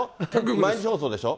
毎日放送でしょ。